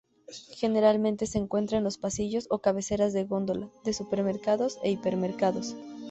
Generalmente, se encuentra en los pasillos o cabeceras de góndola de supermercados e hipermercados.